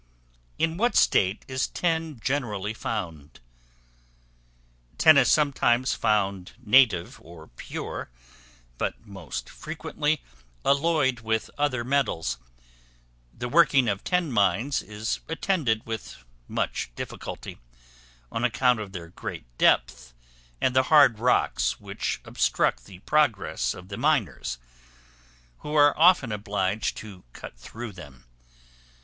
In what state is Tin generally found? Tin is sometimes found native or pure, but most frequently alloyed with other metals: the working of tin mines is attended with much difficulty, on account of their great depth, and the hard rocks which obstruct the progress of the miners, who are often obliged to cut through them.